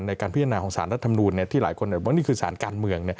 ในการพิจารณาของสารรัฐมนูลที่หลายคนว่านี่คือสารการเมือง